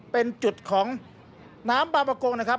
เป็นจุดของน้ำบางประกงนะครับ